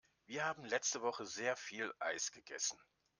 Wir haben letzte Woche sehr viel Eis gegessen.